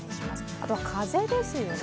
あとは風ですよね。